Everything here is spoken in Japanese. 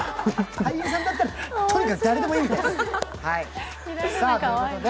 俳優さんだったら、とにかく誰でもいいみたいです。